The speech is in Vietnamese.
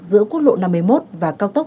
giữa quốc lộ năm mươi một và cao tốc